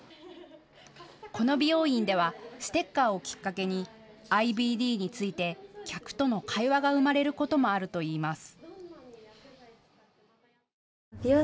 この美容院ではステッカーをきっかけにＩＢＤについて客との会話が生まれることもあるといいます。